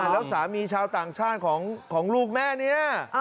แล้วสามีชาวต่างชาติของลูกแม่นี้